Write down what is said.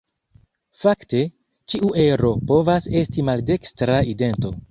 Fakte, ĉiu ero povas esti maldekstra idento.